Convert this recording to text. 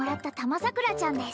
まさくらちゃんが